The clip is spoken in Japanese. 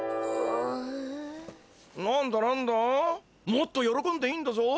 もっとよろこんでいいんだぞ。